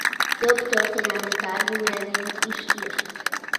Több történelmi tárgyú regényt is írt.